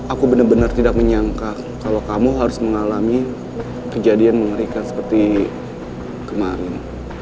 aku benar benar tidak menyangka kalau kamu harus mengalami kejadian mengerikan seperti kemarin